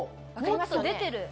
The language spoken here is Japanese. もっと出てる！